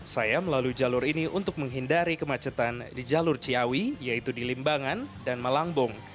saya melalui jalur ini untuk menghindari kemacetan di jalur ciawi yaitu di limbangan dan malangbong